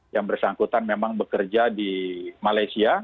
yang bersangkutan memang bekerja di malaysia